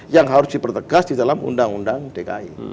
yang harus dipertegas di dalam undang undang dki